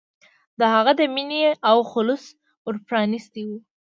د هغه د مینې او خلوص ور پرانستی و.